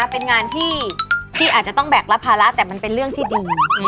เป็นงานที่อาจจะต้องแบกรับภาระแต่มันเป็นเรื่องที่ดี